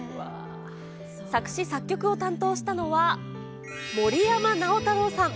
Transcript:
作詞作曲を担当したのは森山直太朗さん。